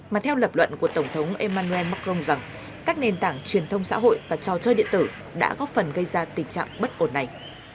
mà theo lập luận của tổng thống emmanuel macron rằng các nền tảng truyền thông xã hội và trò chơi điện tử đã góp phần gây ra tình trạng bất ổn này